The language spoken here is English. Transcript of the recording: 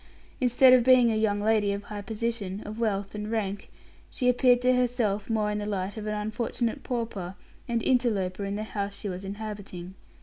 Instead of being a young lady of high position, of wealth and rank, she appeared to herself more in the light of an unfortunate pauper and interloper in the house she was inhabiting.